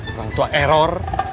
orang tua error